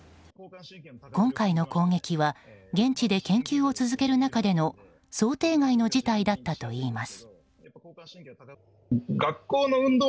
今回の攻撃は現地で研究を続ける中での想定外の事態だったといいます。